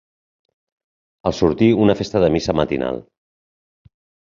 Al sortir una festa de missa matinal